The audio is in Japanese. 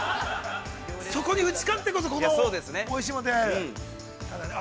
◆そこに打ち勝ってこそ、このおいしいものに出会えるんで。